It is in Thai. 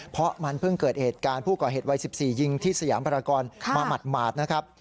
เพราะมันเพิ่งเกิดเหตุการณ์ผู้ก่อเหตุวัย๑๔ยิงที่สยามพรากรมาหมาดนะครับ